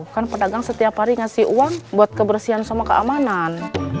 kan pedagang setiap hari ngasih uang buat kebersihan sama keamanan